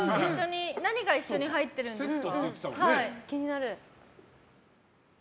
何が一緒に入っているんですか？